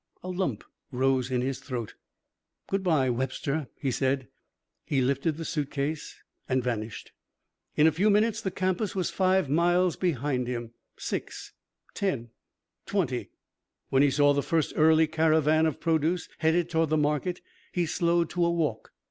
A lump rose in his throat. "Good by, Webster," he said. He lifted the suitcase and vanished. In a few minutes the campus was five miles behind him six ten twenty. When he saw the first early caravan of produce headed toward the market, he slowed to a walk.